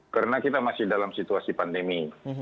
karena kita masih dalam situasi pandemi